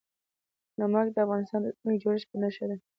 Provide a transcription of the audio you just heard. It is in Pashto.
نمک د افغانستان د ځمکې د جوړښت نښه ده.